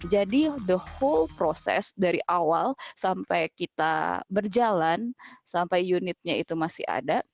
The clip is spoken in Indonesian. jadi the whole process dari awal sampai kita berjalan sampai unitnya itu masih ada